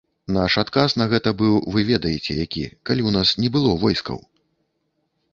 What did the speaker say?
Наш адказ на гэта быў вы ведаеце які, калі ў нас не было войскаў?